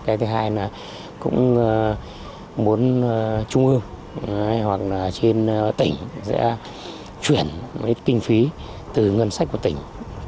cái thứ hai là cũng muốn trung ương hoặc là trên tỉnh sẽ chuyển kinh phí từ ngân sách của tỉnh